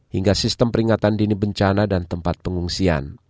hingga sistem peringatan dini bencana dan tempat pengungsian